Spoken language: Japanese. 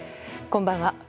こんばんは。